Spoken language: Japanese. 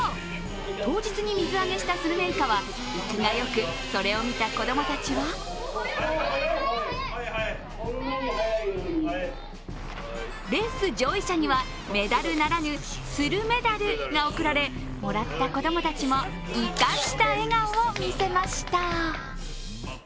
当日に水揚げしたスルメイカは生きがよく、それを見た子供たちはレース上位者にはメダルならぬスルメダルが贈られもらった子供たちもイカした笑顔を見せました。